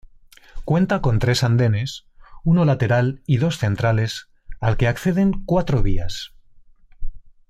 Cuenta con tres andenes, uno lateral y dos centrales, al que acceden cuatro vías.